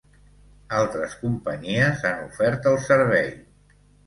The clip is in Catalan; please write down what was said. Altres companyies han ofert el servei.